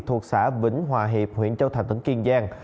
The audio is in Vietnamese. thuộc xã vĩnh hòa hiệp huyện châu thành tỉnh kiên giang